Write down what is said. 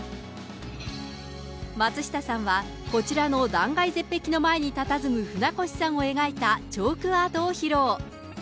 松下さんは、こちらの断崖絶壁の前にたたずむ船越さんを描いたチョークアートを披露。